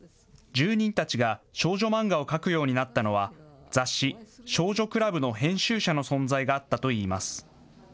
住人たちが少女漫画を描くようになったのは雑誌、少女クラブの編集者の存在があったといいます。